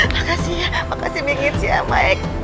makasih ya makasih bingits ya mike